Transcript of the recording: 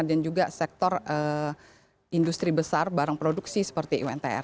dan juga sektor industri besar barang produksi seperti untr